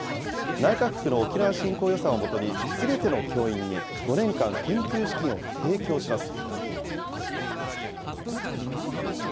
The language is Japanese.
内閣府の沖縄振興予算をもとに、すべての教員に５年間研究資金を提供します。